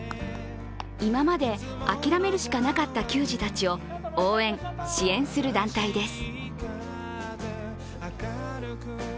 今まで諦めるしかなかった球児たちを応援、支援する団体です。